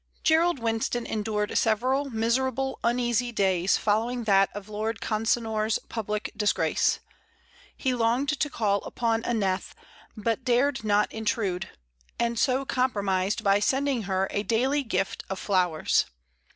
Gerald Winston endured several miserable, uneasy days following that of Lord Consinor's public disgrace. He longed to call upon Aneth, but dared not intrude, and so compromised by sending her a daily gift of flowers.